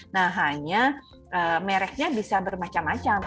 nah hanya mereknya bisa bermacam macam